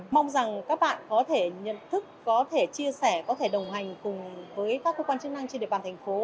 mong rằng các bạn có thể nhận thức có thể chia sẻ có thể đồng hành cùng với các cơ quan chức năng trên địa bàn thành phố